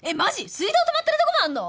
水道止まってるとこもあんの！？